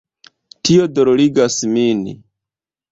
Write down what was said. Tio dolorigas min.